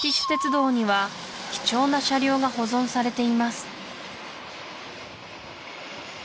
鉄道には貴重な車両が保存されています